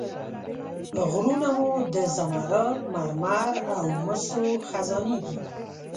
غرونه مو د زمرد، مرمر او مسو خزانې دي.